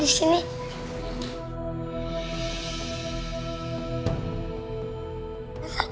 ini sama juga ya disini